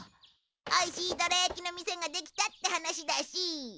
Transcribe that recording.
おいしいドラ焼きの店ができたって話だし。